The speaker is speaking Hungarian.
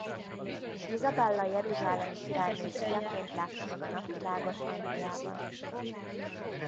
Izabella jeruzsálemi királynő fiaként látta meg a napvilágot Andriában.